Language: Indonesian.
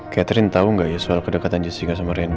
catherine tau gak ya soal kedekatan jessica sama rana